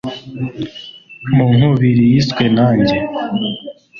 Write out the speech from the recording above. mu nkubiri yiswe nanjye